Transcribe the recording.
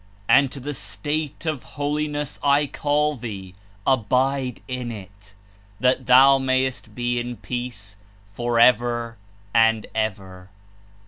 And to the state of Holi ness I call thee: Abide in it, that thou may est be in peace for ever and ever.'